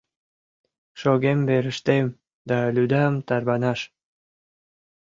Шогем верыштем да лӱдам тарванаш.